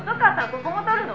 ここも撮るの？」